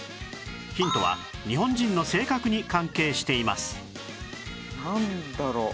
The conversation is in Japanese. ヒントは日本人の性格に関係していますなんだろう？